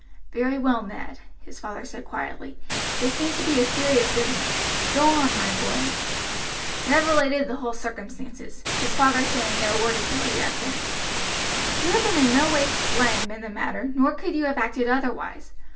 "Very well, Ned," his father said quietly; "this seems to be a serious business. Go on, my boy." Ned related the whole circumstances, his father saying no word until he had finished. "You have been in no way to blame in the matter, nor could you have acted otherwise.